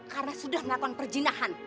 karena sudah melakukan perjinahan